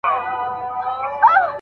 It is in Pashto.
آیا بورسیه تر شخصي لګښت ښه ده؟